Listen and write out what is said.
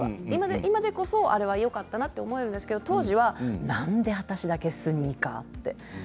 今でこそ、あれはよかったなと思えるんですが当時はなんで私だけスニーカー？って。